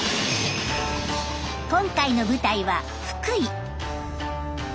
今回の舞台は福井。